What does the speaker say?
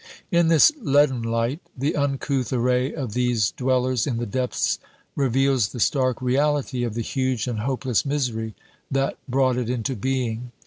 In this leaden light, the uncouth array of these dwellers in the depths reveals the stark reality of the huge and hopeless misery that brought it into being.